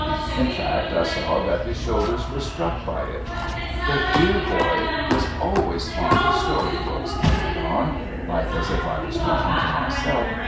In fact I saw that his shoulders were struck by it. 'The dear boy was always fond of story books' I went on, like as if I was talking to myself.